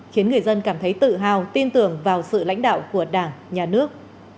khiến người dân cảm thấy tự hào tin tưởng vào sự lãnh đạo của đảng nhà nước